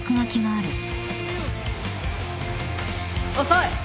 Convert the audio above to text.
遅い！